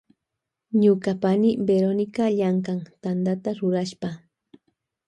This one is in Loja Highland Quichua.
Ñuka pani Verónica llankan Tanta rurashpa.